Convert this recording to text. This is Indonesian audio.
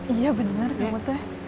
iya bener tuh teh